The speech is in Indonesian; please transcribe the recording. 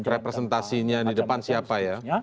representasinya di depan siapa ya